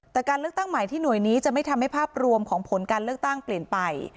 แต่การเลือกตั้งใหม่ที่หน่วยนี้จะไม่ทำให้ภาพรวมของผลการเลือกตั้งเปลี่ยนไป